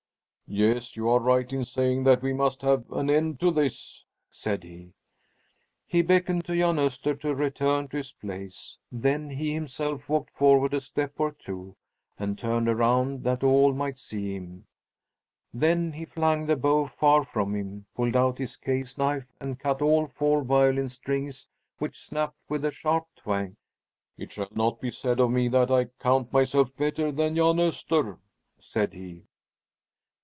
"Yes, you are right in saying that we must have an end of this," said he. He beckoned to Jan Öster to return to his place. Then he himself walked forward a step or two, and turned around that all might see him. Then he flung the bow far from him, pulled out his case knife, and cut all four violin strings, which snapped with a sharp twang. "It shall not be said of me that I count myself better than Jan Öster!" said he.